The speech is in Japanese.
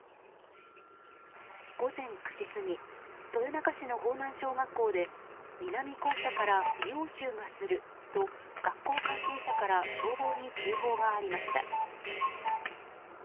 午前９時過ぎ豊中市の豊南小学校で南校舎から硫黄臭がすると学校関係者から消防に通報がありました。